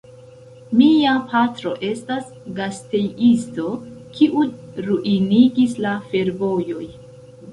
Mia patro estas gastejisto, kiun ruinigis la fervojoj.